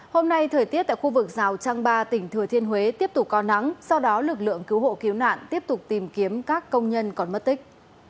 hôm nay thời tiết tại khu vực rào trăng ba tỉnh thừa thiên huế tiếp tục có nắng sau đó lực lượng cứu hộ cứu nạn tiếp tục tìm kiếm các công nhân còn mất tích